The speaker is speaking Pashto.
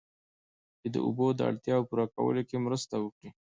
چې د اوبو د اړتیاوو پوره کولو کې مرسته وکړي